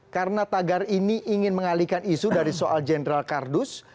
karena tagar ini ingin mengalihkan isu dari soal jenderal kardus